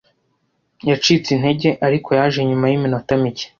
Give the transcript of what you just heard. Yacitse intege, ariko yaje nyuma yiminota mike.